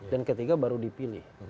dan ketiga baru dipilih